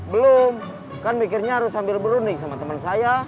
belum kan mikirnya harus sambil berunding sama teman saya